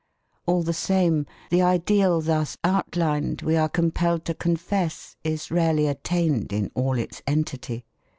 All the same the ideal thus outlined, we are compelled to confess, is rarely attained in all its entity.